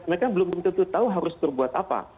mereka belum tentu tahu harus berbuat apa